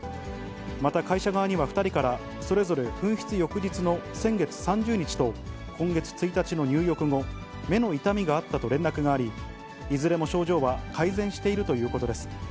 また会社側には２人から、それぞれ噴出翌日の先月３０日と今月１日の入浴後、目の痛みがあったと連絡があり、いずれも症状は改善しているということです。